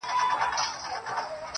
زه څوک لرمه_